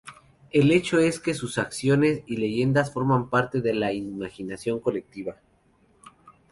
El hecho es que sus acciones y leyendas forman parte de la imaginación colectiva.